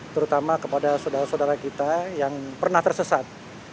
terutama kepada saudara saudara kita yang pernah tersesat